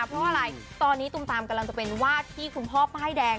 เพราะว่าอะไรตอนนี้ตุมตามกำลังจะเป็นวาดที่คุณพ่อป้ายแดง